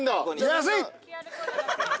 安い！